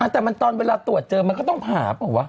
แต่ตอนเวลาตรวจเจอมันก็ต้องผ่าเปล่าวะ